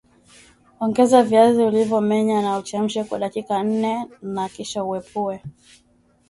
Ongeza viazi ulivyomenya na uchemshe kwa dakika nne na kisha uepue